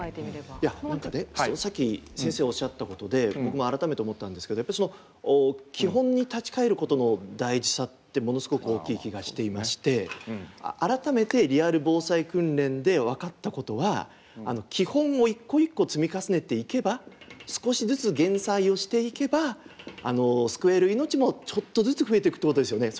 何かねさっき先生がおっしゃったことで僕も改めて思ったんですけどやっぱ基本に立ち返ることの大事さってものすごく大きい気がしていまして改めて「リアル防災訓練」で分かったことは基本を一個一個積み重ねていけば少しずつ減災をしていけば救えるいのちもちょっとずつ増えていくってことですよね。